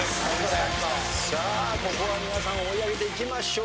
さあここは皆さん追い上げていきましょう。